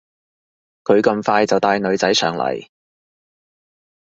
佢咁快就帶女仔上嚟